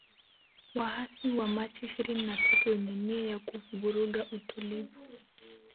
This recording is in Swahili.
waasi wa Machi ishirini na tatu wenye nia ya kuvuruga utulivu